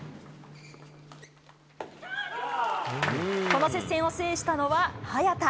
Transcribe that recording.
この接戦を制したのは早田。